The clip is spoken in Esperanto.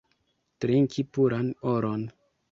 Trinki puran oron!